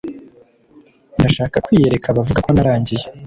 ndashaka kwiyereka abavuga ko narangiye